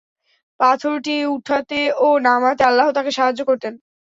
পাথরটি উঠাতে ও নামাতে আল্লাহ তাকে সাহায্য করতেন।